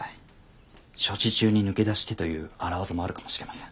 処置中に抜け出してという荒業もあるかもしれません。